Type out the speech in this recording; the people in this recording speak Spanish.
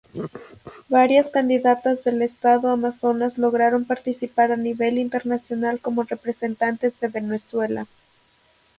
Varias candidatas del estado Amazonas lograron participar a nivel internacional como representantes de Venezuela.